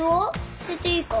捨てていいか？